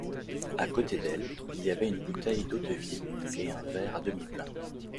À côté d'elle, il y avait une bouteille d'eau-de-vie et un verre à demi plein.